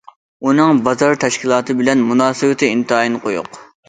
ئۇنىڭ بازا تەشكىلاتى بىلەن مۇناسىۋىتى ئىنتايىن قويۇق.